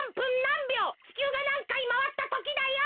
ちきゅうがなんかいまわったときだよ。